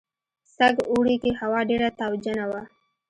سږ اوړي کې هوا ډېره تاوجنه وه.